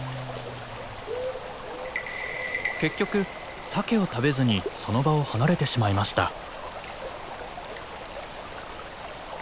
結局サケを食べずにその場を離れてしまいました。